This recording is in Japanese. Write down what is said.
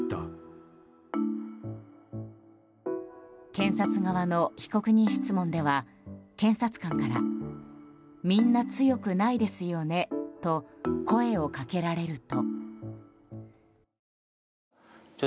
検察側の被告人質問では検察官からみんな強くないですよねと声をかけられると。